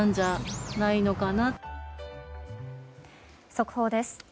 速報です。